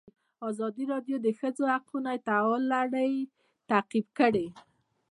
ازادي راډیو د د ښځو حقونه د تحول لړۍ تعقیب کړې.